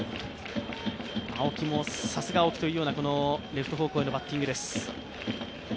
青木もさすが青木というようなレフト方向へのバッティングです。